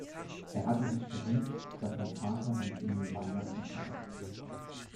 Er hatte sich gewünscht, dass sein Vater mit ihnen Weihnachten feiert.